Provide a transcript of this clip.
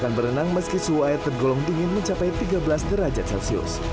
akan berenang meski suhu air tergolong dingin mencapai tiga belas derajat celcius